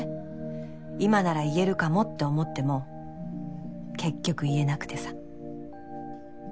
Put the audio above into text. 今なら言えるかもって思っても結局言えなくてさ。